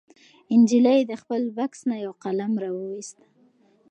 نجلۍ د خپل بکس نه یو قلم راوویست.